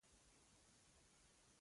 ملک صاحب زامنو ته نصحت کاوه